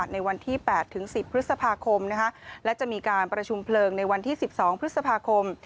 ในวันที่๘๑๐พฤษภาคมและจะมีการประชุมเพลิงในวันที่๑๒พฤษภาคม